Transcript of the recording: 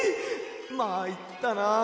まいったな。